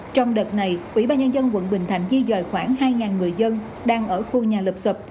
trong đợt này ủy ban nhân dân quận bình thạnh di dời khoảng hai người dân đang ở khu nhà lập sụp